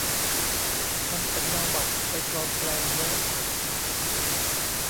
ทำสำเนาบัตรไปปลอมแปลงเยอะ